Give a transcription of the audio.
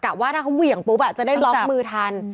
ว่าถ้าเขาเหวี่ยงปุ๊บจะได้ล็อกมือทัน